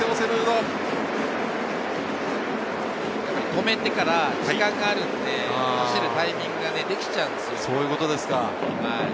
止めてから時間があるので、走るタイミングができちゃうんですよ。